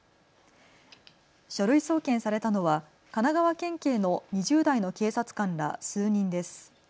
書類送検されたのは神奈川県警の２０代の警察官ら数人です。